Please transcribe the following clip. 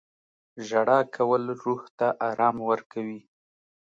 • ژړا کول روح ته ارام ورکوي.